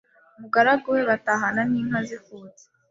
umugaragu we batahana n’ inka zikutse